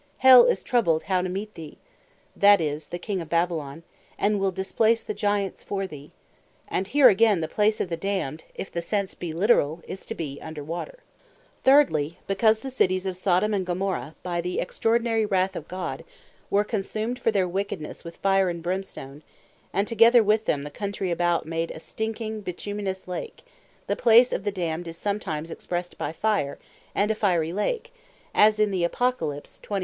"Hell is troubled how to meet thee," (that is, the King of Babylon) "and will displace the Giants for thee:" and here again the place of the Damned, (if the sense be literall,) is to be under water. Lake Of Fire Thirdly, because the Cities of Sodom, and Gomorrah, by the extraordinary wrath of God, were consumed for their wickednesse with Fire and Brimstone, and together with them the countrey about made a stinking bituminous Lake; the place of the Damned is sometimes expressed by Fire, and a Fiery Lake: as in the Apocalypse ch.21.8.